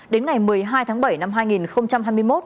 đến ngày một mươi hai tháng bảy năm hai nghìn hai mươi một